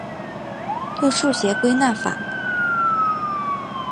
用数学归纳法。